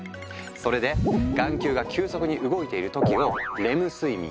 それで眼球が急速に動いている時を「レム睡眠」